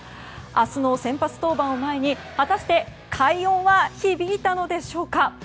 明日の先発登板を前に果たして快音は響いたのでしょうか。